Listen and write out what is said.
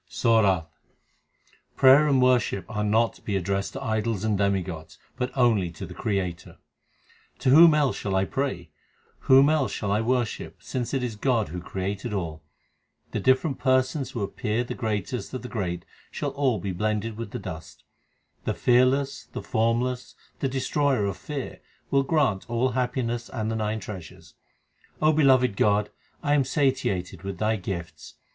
SORATH Prayer and worship are not to be addressed to idols and demigods, but only to the Creator : To whom else shall I pray ? whom else shall I worship, since it is God who created all ? The different persons who appear the greatest of the great shall all be blended with the dust. The Fearless, the Formless, the Destroyer of fear will grant all happiness and the nine treasures. O beloved God, I am satiated with Thy gifts.